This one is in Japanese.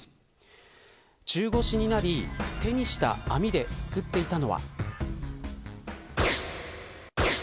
中腰になり、手にした網ですくっていたのは。